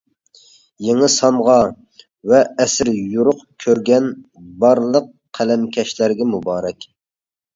يېڭى سانغا ۋە ئەسىرى يورۇق كۆرگەن بارلىق قەلەمكەشلەرگە مۇبارەك!